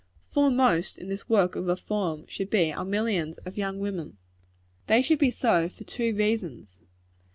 Foremost in this work of reform, should be our millions of young women. They should be so for two reasons.